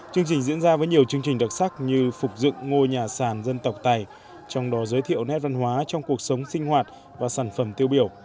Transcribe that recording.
chương trình diễn ra với nhiều chương trình đặc sắc như phục dựng ngôi nhà sàn dân tộc tài trong đó giới thiệu nét văn hóa trong cuộc sống sinh hoạt và sản phẩm tiêu biểu